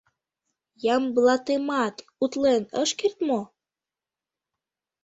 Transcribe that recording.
Ямблатемат утлен ыш керт мо?